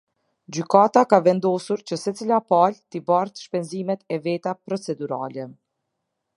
Gjykata ka vendosur që secila palë t’i bartë shpenzimet e veta procedurale.